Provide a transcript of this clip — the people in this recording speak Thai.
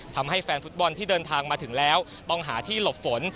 ทำให้แฟนฟุตบอลที่เดินทางมาถึงแล้วต้องหาที่หลบฝน